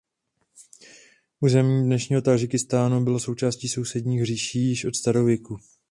Území dnešního Tádžikistánu bylo součástí sousedních říší již od starověku.